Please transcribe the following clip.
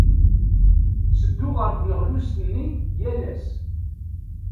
Ttedduɣ ɣer tneɣlust-nni yal ass.